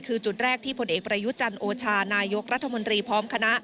คือจุดแรกที่ผลเอกประยุจันทร์โอชานายกรัฐมนตรีพร้อมคณะ